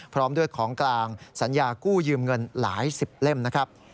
พร้อมด้วยของกลางสัญญากู้ยืมเงินหลายสิบเล่มนะครับ